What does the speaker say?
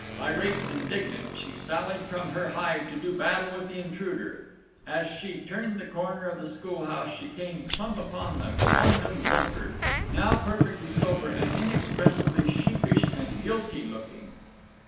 Irate and indignant, she sallied from her hive to do battle with the intruder. As she turned the corner of the schoolhouse she came plump upon the quondam drunkard now perfectly sober, and inexpressibly sheepish and guilty looking.